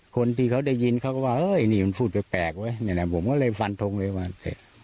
คนที่เขาได้ยินเขาก็มั้ยว่าเอ่อไอ้นี่คุณพูดแบหไว้ผมก็เลยฟันพงเลยว่าเสร็จ